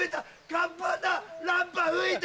カッパラッパ吹いた！